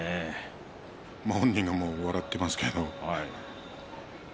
本人が笑っていますけれども。